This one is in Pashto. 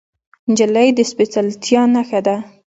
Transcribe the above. نجلۍ د سپیڅلتیا نښه ده.